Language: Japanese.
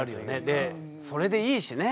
でそれでいいしね。